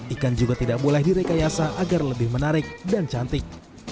ikan juga tidak boleh direkayasa agar lebih menarik dan cantik